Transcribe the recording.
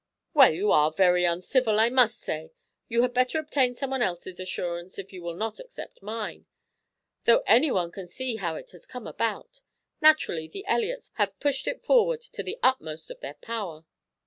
"Well, you are very uncivil, I must say; you had better obtain someone else's assurance if you will not accept mine. Though anyone can see how it has come about; naturally the Elliots have pushed it forward to the utmost of their power.